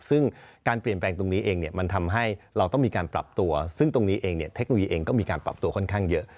ซึ่งการเปลี่ยนแปลงตรงนี้เองเนี่ยมันทำให้เราต้องมีการปรับตัวซึ่งตรงนี้เองเทคโนโลยีเองก็มีการปรับตัวค่อนข้างเยอะ